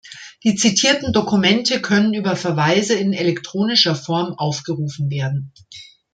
Die zitierten Dokumente können über Verweise in elektronischer Form aufgerufen werden.